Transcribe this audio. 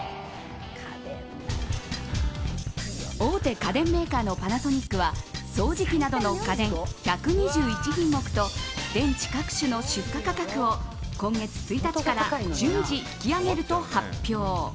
大手家電メーカーのパナソニックは掃除機などの家電１２１品目と電池各種の出荷価格を今月１日から順次引き上げると発表。